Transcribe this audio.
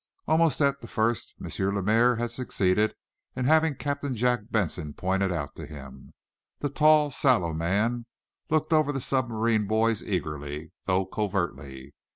Almost at the first, M. Lemaire had succeeded in having Captain Jack Benson pointed out to him. The tall, sallow man looked over the submarine boys eagerly, though covertly.